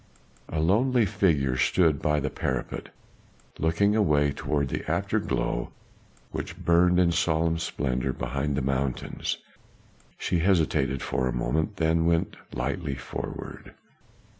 A lonely figure stood by the parapet, looking away toward the afterglow which burned in solemn splendor behind the mountains. She hesitated for a moment, then went lightly forward.